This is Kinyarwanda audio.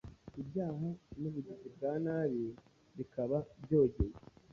ibyaha n’ubugizi bwa nabi, bikaba byogeye